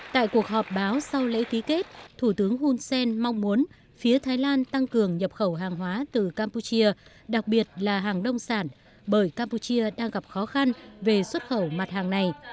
tại cuộc họp báo sau lễ ký kết thủ tướng hun sen mong muốn phía thái lan tăng cường nhập khẩu hàng hóa từ campuchia đặc biệt là hàng nông sản bởi campuchia đang gặp khó khăn về xuất khẩu mặt hàng này